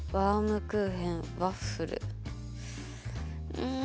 うん。